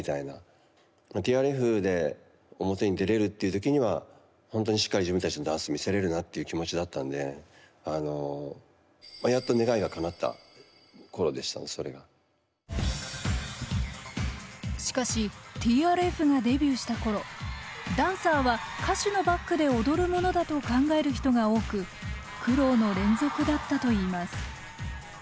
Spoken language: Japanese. ＴＲＦで表に出れるっていう時にはほんとにしっかり自分たちのダンス見せれるなっていう気持ちだったんでしかしＴＲＦがデビューした頃ダンサーは歌手のバックで踊るものだと考える人が多く苦労の連続だったといいます。